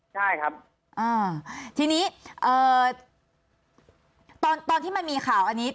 ใช่ครับอ่าทีนี้ตอนที่มันมีข่าวอันนี้